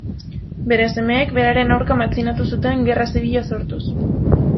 Bere semeek beraren aurka matxinatu zuten gerra zibila sortuz.